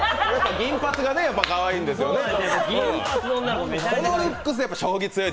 銀髪がかわいいんですよねと。